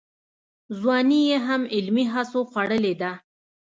ځواني یې هم علمي هڅو خوړلې ده.